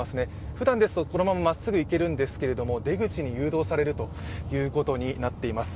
ふだんですとこのまままっすぐ行けるんですけれども、出口に誘導されるということになっています。